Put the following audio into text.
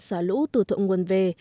xả lũ từ thượng nguồn về